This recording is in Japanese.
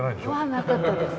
はなかったです。